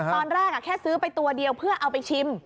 ตอนแรกแค่ซื้อไปตัวเดียวเพื่อเอาไปชิม